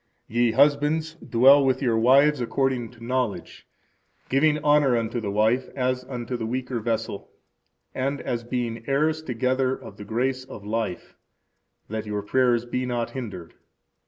Ye husbands, dwell with your wives according to knowledge, giving honor unto the wife, as unto the weaker vessel, and as being heirs together of the grace of life, that your prayers be not hindered.